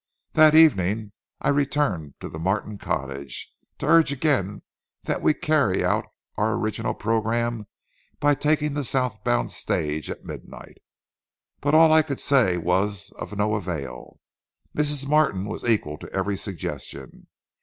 That evening I returned to the Martin cottage, to urge again that we carry out our original programme by taking the south bound stage at midnight. But all I could say was of no avail. Mrs. Martin was equal to every suggestion.